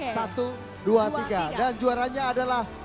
satu dua tiga dan juaranya adalah